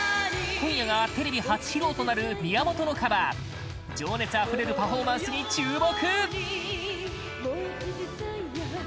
今夜がテレビ初披露となる宮本のカバー情熱あふれるパフォーマンスに注目！